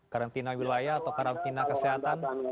karantina wilayah atau karantina kesehatan